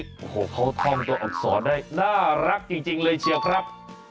โอ้โหเขาท่องตัวอักษรได้น่ารักจริงเลยเชียวครับ